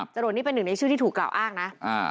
จรวดนี่เป็นหนึ่งในชื่อที่ถูกกล่าวอ้างนะ